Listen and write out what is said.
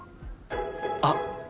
あっ！